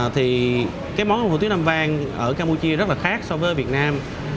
thì cái món hủ tiếu nam vàng ở campuchia rất là khác so với việt nam